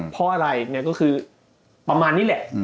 เพราะอะไรไงก็คือประมาณนี้แหละ